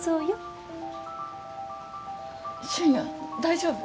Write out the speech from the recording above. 俊也大丈夫？